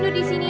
lupa sih gue